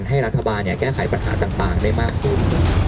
ให้รัฐบาลแก้ไขปัญหาต่างได้มากขึ้น